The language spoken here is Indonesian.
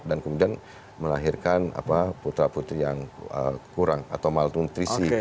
dan kemudian melahirkan putra putri yang kurang atau malnutrisi